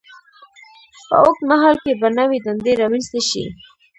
په اوږد مهال کې به نوې دندې رامینځته شي.